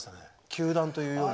球団というより。